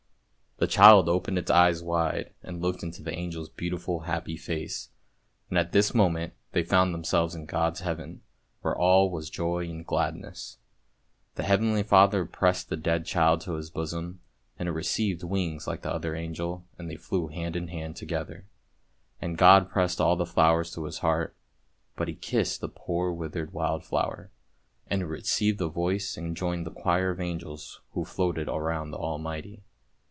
The child opened its eyes wide and looked into the angel's beautiful happy face, and at this moment they found them selves in God's Heaven, where all was joy and gladness. The Heavenly Father pressed the dead child to His bosom, and it received wings like the other angel, and they flew hand in hand together. And God pressed all the flowers to His heart, but He kissed the poor withered wild flower, and it received a voice and joined the choir of angels who floated around the Almighty.